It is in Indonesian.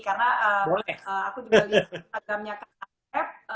karena aku juga lihat tagamnya kang asep